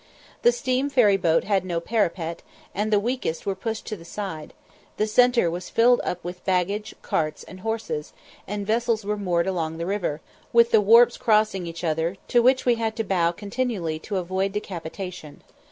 The steam ferry boat had no parapet, and the weakest were pushed to the side; the centre was filled up with baggage, carts, and horses; and vessels were moored along the river, with the warps crossing each other, to which we had to bow continually to avoid decapitation.